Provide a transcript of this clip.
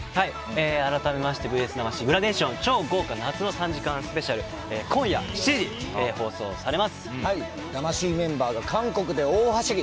改めまして「ＶＳ魂グラデーション超豪華夏の３時間ＳＰ」「魂」メンバーが韓国で大はしゃぎ！